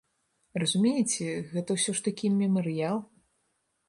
Разумееце, гэта ўсё ж такі мемарыял.